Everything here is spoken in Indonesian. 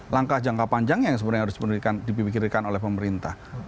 langkah jangka panjangnya yang sebenarnya harus dipikirkan oleh pemerintah